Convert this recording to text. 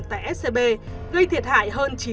tại scb gây thiệt hại hơn